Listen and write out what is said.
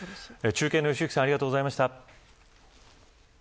中継の良幸さんありがとうございました。